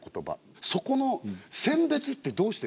そこの選別ってどうしてるんですか？